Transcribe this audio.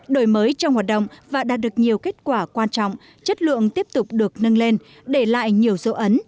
đổi mới trong hoạt động và đạt được nhiều kết quả quan trọng chất lượng tiếp tục được nâng lên để lại nhiều dấu ấn